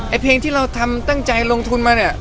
เพลงที่เราทำตั้งใจลงทุนมาเนี่ย